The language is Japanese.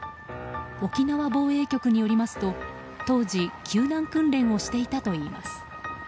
沖縄防衛局によりますと当時、救難訓練をしていたといいます。